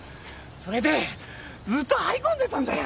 それでずーっと張り込んでたんだよ。